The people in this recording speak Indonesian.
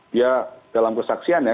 dia dalam kesaksian ya